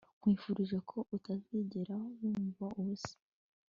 nkwifurije ko utazigera wumva ubusa